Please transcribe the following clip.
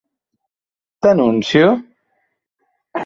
T'anuncio?